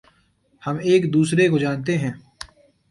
ہم ایک دوسرے کو جانتے ہیں